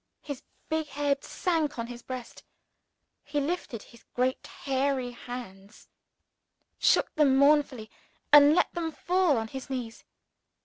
His big head sank on his breast. He lifted his great hairy hands, shook them mournfully, and let them fall on his knees.